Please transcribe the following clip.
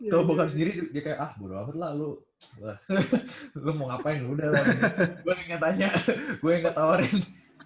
tau bokap sendiri dia kayak ah buru apa lah lu lu mau ngapain lu udah lah gua yang ngetanya gua yang ngetawarin